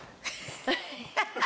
ハハハハ。